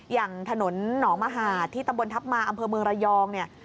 อย่างถนนหนองมหาดที่ตำบลทัพมาอำเภอเมืองระยองเนี่ย